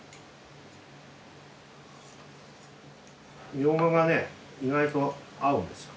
ミョウガがね意外と合うんですよ。